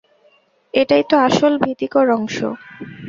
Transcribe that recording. এটাই তো আসল ভীতিকর অংশ।